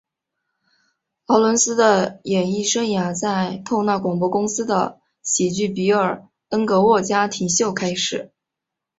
劳伦斯的演艺生涯在透纳广播公司的喜剧比尔恩格沃家庭秀开始。